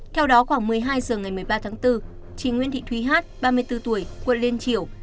theo đó khoảng một mươi hai h ngày một mươi ba tháng bốn chị nguyễn thị thúy hát ba mươi bốn tuổi quận liên triểu